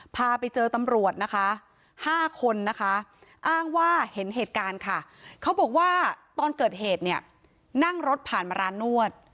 พาไปเจอตำรวจนะคะ๕คนนะคะอ้างว่าเห็นเหตุการณ์ค่ะเขาบอกว่าตอนเกิดเหตุเนี่ยนั่งรถผ่านมาร้านนวด